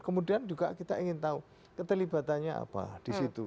kemudian juga kita ingin tahu keterlibatannya apa di situ